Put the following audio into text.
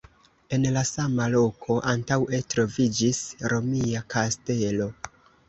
En la sama loko antaŭe troviĝis Romia kastelo.